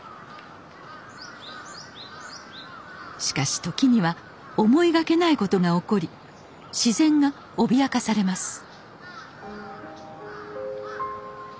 しかし時には思いがけないことが起こり自然が脅かされます